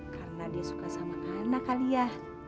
karena dia suka sama anak kali ya